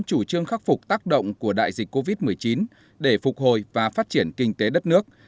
chủ trương khắc phục tác động của đại dịch covid một mươi chín để phục hồi và phát triển kinh tế đất nước